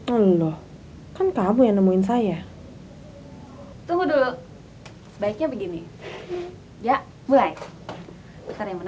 halo itu tapi namun saya tunggu dulu bicara begini ya mulai prime aja nomor gue ya